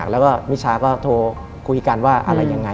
แล้วก็มิชาก็โทรคุยกันว่าอะไรยังไง